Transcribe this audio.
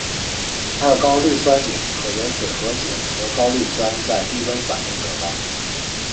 二高氯酸肼可由水合肼和高氯酸在低温反应得到。